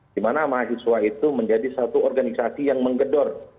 dimana mahasiswa itu menjadi satu organisasi yang menggedor